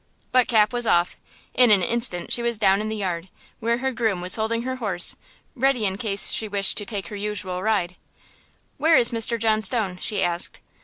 But Cap was off! In an instant she was down in the yard, where her groom was holding her horse, ready in case she wished to take her usual ride. "Where is Mr. John Stone?" she asked.